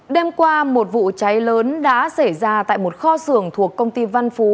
đêm qua một vụ cháy lớn đã xảy ra tại một kho xưởng thuộc công ty văn phú